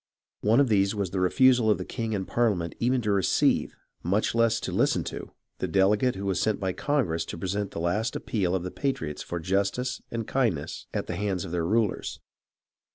One of these was the refusal of the king and Parliament even to receive, much less to listen to, the delegate who was sent by Congress to present the last appeal of the patriots for justice and kindness at the hands of their rulers.